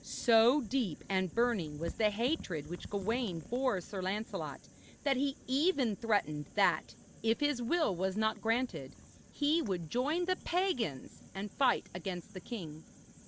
So deep and burning was the hatred which Gawaine bore Sir Lancelot that he even threatened that, if his will was not granted, he would join the pagans and fight against the king.